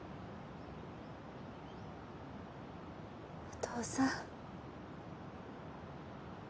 お父さん。